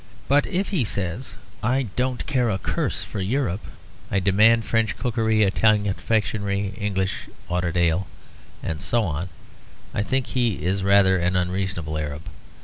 But if he says, "I don't care a curse for Europe; I demand French cookery, Italian confectionery, English audit ale," and so on, I think he is rather an unreasonable Arab.